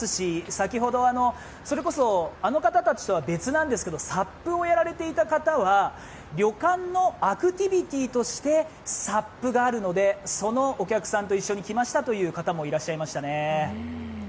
先ほどそれこそあの方たちとは別なんですけれどもサップをやられていた方は、旅館のアクティビティとしてサップがあるのでそのお客さんと一緒に来ましたという方もいらっしゃいましたね。